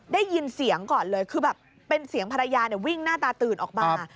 ได้ยินเสียงก่อนเลยคือแบบเป็นเสียงภรรยาวิ่งหน้าตาตื่นออกมา